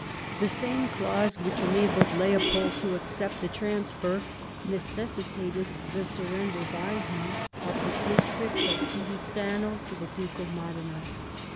The same clause which enabled Leopold to accept the transfer necessitated the surrender by him of the district of Fivizzano to the Duke of Modena.